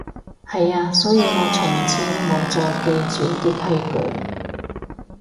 係啊，所以我從此無再記住啲規矩